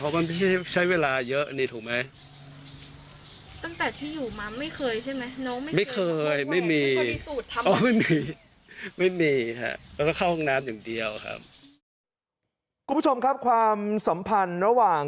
คุณผู้ชมครับความสัมพันธ์ระหว่าง